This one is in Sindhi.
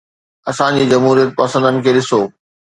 اسان جي جمهوريت پسندن کي ڏسو.